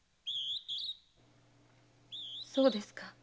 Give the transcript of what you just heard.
そうですか。